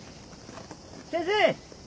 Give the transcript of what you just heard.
先生。